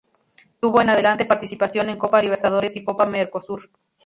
Tuvo en adelante participación en Copa Libertadores y Copa Mercosur.